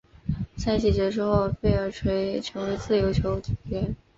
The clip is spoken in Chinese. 赛季结束后贝尔垂成为自由球员。